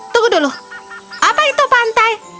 tunggu dulu apa itu pantai